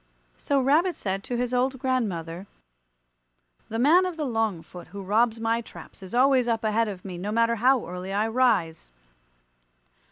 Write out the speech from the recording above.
So Rabbit said to his old grandmother, "The man of the long foot, who robs my traps, is always up ahead of me, no matter how early I rise.